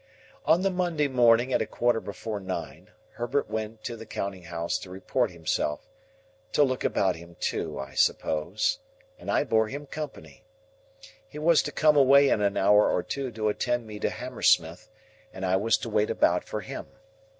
On the Monday morning at a quarter before nine, Herbert went to the counting house to report himself,—to look about him, too, I suppose,—and I bore him company. He was to come away in an hour or two to attend me to Hammersmith, and I was to wait about for him.